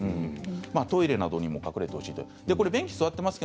トイレなどにも隠れてほしいと。